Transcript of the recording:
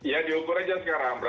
ya diukur aja sekarang